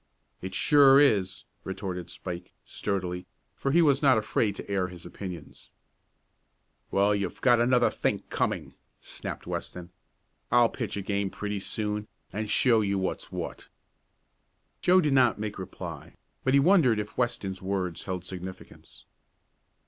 "It sure is," retorted Spike, sturdily, for he was not afraid to air his opinions. "Well, you've got another think coming," snapped Weston. "I'll pitch a game pretty soon, and show you what's what." Joe did not make reply, but he wondered if Weston's words held significance.